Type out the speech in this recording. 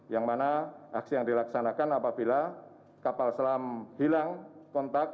yang mana aksi yang dilaksanakan apabila kapal selam hilang kontak